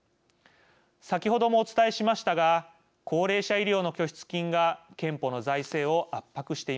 先ほどもお伝えしましたが高齢者医療の拠出金が健保の財政を圧迫しています。